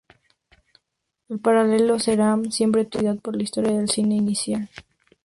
En paralelo, Ceram siempre tuvo curiosidad por la historia del cine inicial.